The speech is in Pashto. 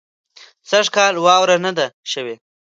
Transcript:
سږ کال واوره نۀ ده شوې